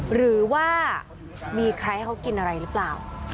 หรือว่ามีใครให้เขากินอะไรหรือเปล่า